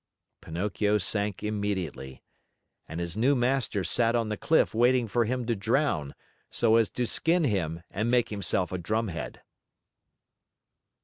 Pinocchio sank immediately. And his new master sat on the cliff waiting for him to drown, so as to skin him and make himself a drumhead.